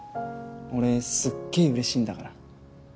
俺すっげぇうれしいんだから。